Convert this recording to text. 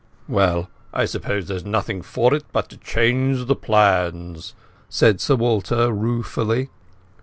"Well, I suppose there is nothing for it but to change the plans," said Sir Walter ruefully.